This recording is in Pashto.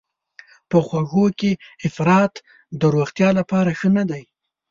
په خوږو کې افراط د روغتیا لپاره ښه نه دی.